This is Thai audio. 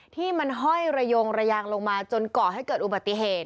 ที่มันห้อยระยงระยางลงมาจนก่อให้เกิดอุบัติเหตุ